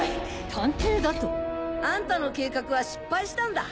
探偵だと？あんたの計画は失敗したんだ。